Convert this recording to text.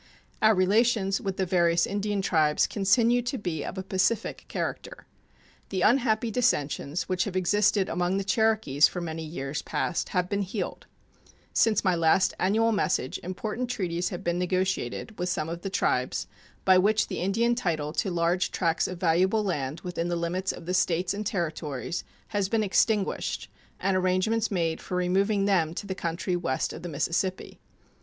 Our relations with the various Indian tribes continue to be of a pacific character. The unhappy dissensions which have existed among the Cherokees for many years past have been healed. Since my last annual message important treaties have been negotiated with some of the tribes, by which the Indian title to large tracts of valuable land within the limits of the States and Territories has been extinguished and arrangements made for removing them to the country west of the Mississippi.